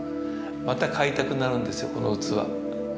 また買いたくなるんですよ、この器。